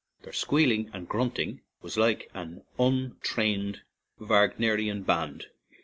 Their squealing and grunting was like an untrained Wagnerian band.